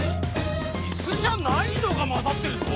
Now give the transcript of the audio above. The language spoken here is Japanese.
イスじゃないのがまざってるぞ！